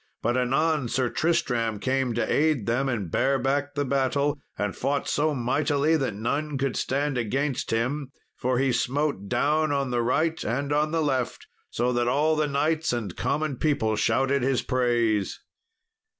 But anon Sir Tristram came to aid them and bare back the battle, and fought so mightily that none could stand against him, for he smote down on the right and on the left, so that all the knights and common people shouted his praise.